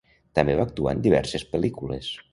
També va actuar en diverses pel·lícules.